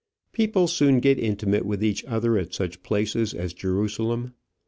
People soon get intimate with each other at such places as Jerusalem.